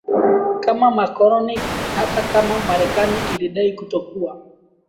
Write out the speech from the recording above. kama makoloni hata kama Marekani ilidai kutokuwa